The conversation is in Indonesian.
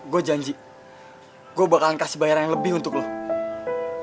gue janji gue bakalan kasih bayaran yang lebih untuk lo